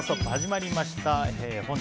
始まりました。